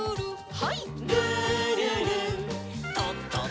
はい。